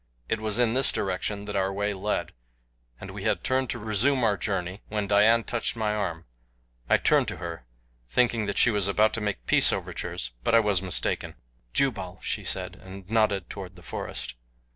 It was in this direction that our way led, and we had turned to resume our journey when Dian touched my arm. I turned to her, thinking that she was about to make peace overtures; but I was mistaken. "Jubal," she said, and nodded toward the forest.